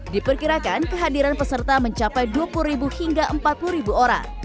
diperkirakan kehadiran peserta mencapai dua puluh hingga empat puluh orang